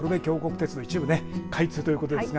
鉄道一部開通ということですが。